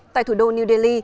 tại thủ đô new delhi